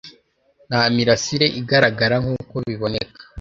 Nta mirasire igaragara nkuko biboneka